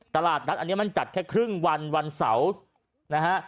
ตลาดนัดอันนี้มันจัดแค่ครึ่งวันวันเสาร์นะฮะ